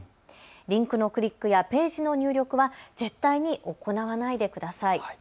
リンクのクリックやページの入力は絶対に行わないでください。